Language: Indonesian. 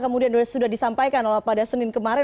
kemudian sudah disampaikan pada